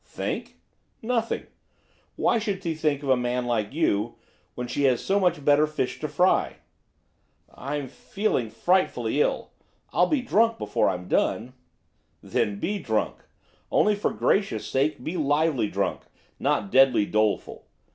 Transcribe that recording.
'Think? nothing. Why should she think of a man like you, when she has so much better fish to fry?' 'I'm feeling frightfully ill! I'll be drunk before I've done!' 'Then be drunk! only, for gracious sake, be lively drunk, not deadly doleful.